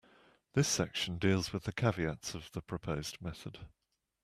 This section deals with the caveats of the proposed method.